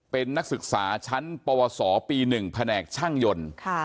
เป็นนักศึกษาชั้นปวสปี๑แผนกช่างยนต์